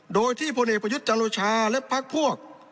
โดยที่พลเอกประยุทธ์จันโอชาและพักพวก